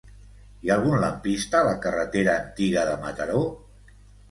Hi ha algun lampista a la carretera Antiga de Mataró?